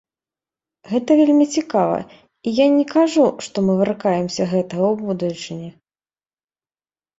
Гэта вельмі цікава, і я не кажу, што мы выракаемся гэтага ў будучыні.